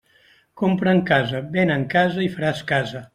Compra en casa, ven en casa i faràs casa.